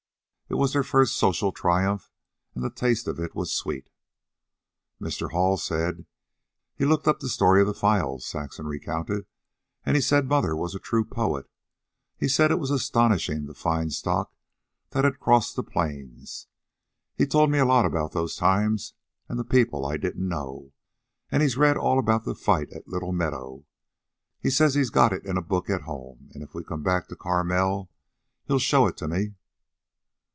It was their first social triumph, and the taste of it was sweet: "Mr. Hall said he'd looked up the 'Story of the Files,'" Saxon recounted. "And he said mother was a true poet. He said it was astonishing the fine stock that had crossed the Plains. He told me a lot about those times and the people I didn't know. And he's read all about the fight at Little Meadow. He says he's got it in a book at home, and if we come back to Carmel he'll show it to me."